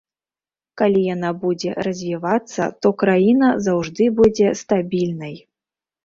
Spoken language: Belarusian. Калі яна будзе развівацца, то краіна заўжды будзе стабільнай.